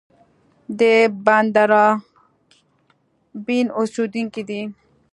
د بندرابن اوسېدونکی دی.